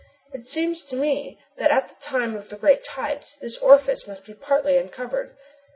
It seems to me that at the time of the great tides, this orifice must be partly uncovered.